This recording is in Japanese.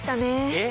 えっ？